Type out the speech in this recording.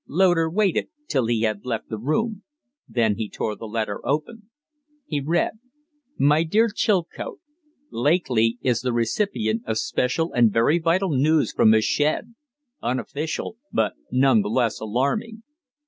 Loder waited till he had left the room, then he tore the letter open. He read: "MY DEAR CHILCOTE, Lakely is the recipient of special and very vital news from Meshed unofficial, but none the less alarming.